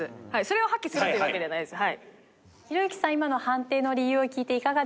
それを破棄するっていうわけではないです。